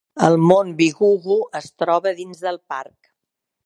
El Mont Bigugu es troba dins del parc.